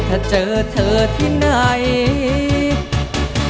ถ้าเจอเธอที่ไหน